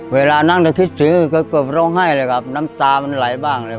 เวลานั้นแต่คิดถึงก็เกือบร้องไห้เลยครับน้ำตามันไหลบ้างเลย